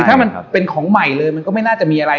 ถ้ามันเป็นของใหม่เลยมันก็ไม่น่าจะมีอะไร